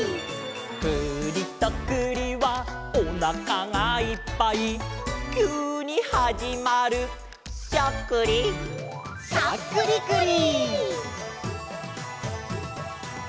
「くりとくりはおなかがいっぱい」「きゅうにはじまるしゃっくり」「しゃっくりくり」